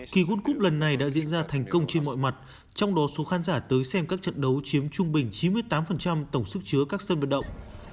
kỳ world cup lần này đã diễn ra thành công trên mọi mặt trong đó số khán giả tới xem các trận đấu chiếm trung bình chín mươi tám tổng sức chứa các sân vận động